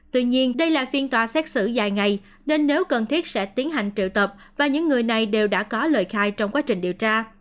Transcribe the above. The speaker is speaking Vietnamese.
tuy nhiên đây là phiên tòa xét xử dài ngày nên nếu cần thiết sẽ tiến hành triệu tập và những người này đều đã có lời khai trong quá trình điều tra